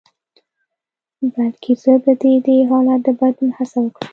بلکې زه به د دې حالت د بدلون هڅه وکړم.